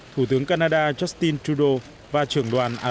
thủ tướng canada justin trudeau và trường đoàn aramco